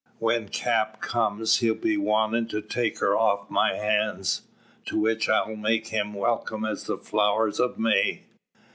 When Cap' comes he'll be wantin' to take her off my hands; to the which I'll make him welcome as the flowers o' May."